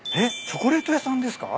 チョコレート屋さんですか？